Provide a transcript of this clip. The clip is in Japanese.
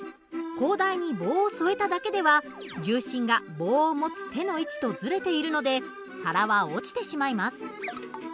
高台に棒を添えただけでは重心が棒を持つ手の位置とずれているので皿は落ちてしまいます。